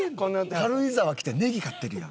軽井沢来てネギ買ってるやん。